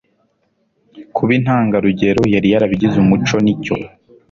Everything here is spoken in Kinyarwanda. kuba intangarugero yari yarabigize umuco nicyo